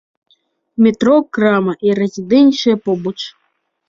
Метро, крама і рэзідэнцыя побач.